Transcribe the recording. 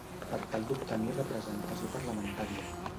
Per tal d'obtenir representació parlamentària.